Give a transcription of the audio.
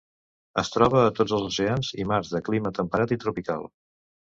Es troba a tots els oceans i mars de clima temperat i tropical.